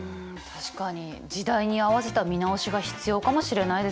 確かに時代に合わせた見直しが必要かもしれないですね。